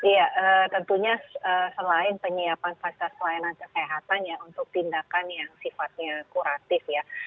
ya tentunya selain penyiapan fasilitas pelayanan kesehatan ya untuk tindakan yang sifatnya kuratif ya